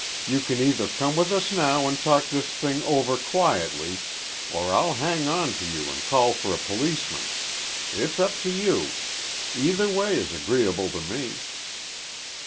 You can either come with us now an' talk this thing over quietly or I'll hang on to you an' call for a policeman. It's up to you. Either way is agreeable to me."